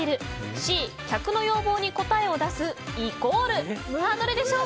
Ｃ、客の要望に答えを出すイコール。